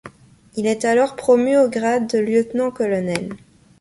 Il est alors promu au grade de lieutenant-colonel.